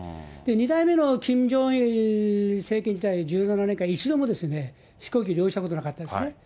２代目のキム・ジョンイル政権時代１７年間、一度も飛行機利用したことなかったですね。